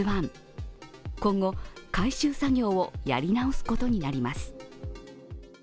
今後、回収作業をやり直すことになります。